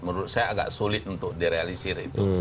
menurut saya agak sulit untuk direalisir itu